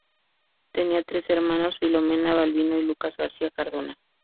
Tenía tres hermanos: Filomena, Balbino y Lucas García Cardona.